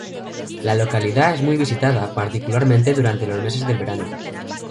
La localidad es muy visitada, particularmente durante los meses del verano.